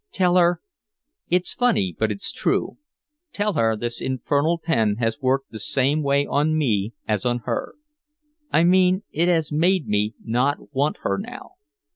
Tell her it's funny but it's true tell her this infernal pen has worked the same way on me as on her. I mean it has made me not want her now.